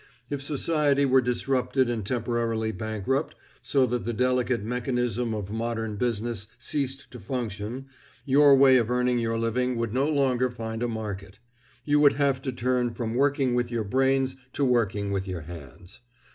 If society were disrupted and temporarily bankrupt, so that the delicate mechanism of modern business ceased to function, your way of earning your living would no longer find a market. You would have to turn from working with your brains to working with your hands.